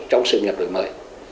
trong sự nghiệp được mời